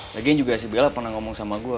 lagian juga si bella pernah ngomong sama gue